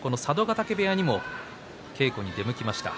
嶽部屋にも稽古に出向きました。